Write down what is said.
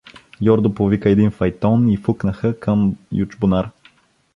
Йордо повика един файтон и фукнаха към Ючбунар.